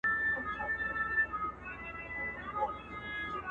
زموږ نصیب به هم په هغه ورځ پخلا سي.!